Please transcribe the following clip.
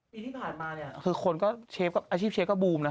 ปีที่ผ่านมาเนี่ยคือคนก็เชฟกับอาชีพเชฟก็บูมนะ